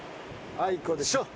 あいこでしょ。